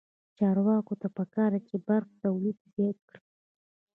چارواکو ته پکار ده چې، برق تولید زیات کړي.